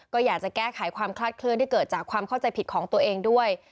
ก็อยากจะแก้ไขความคลาดเคลื่อนที่เกิดจากความเข้าใจผิดของตัวเองด้วย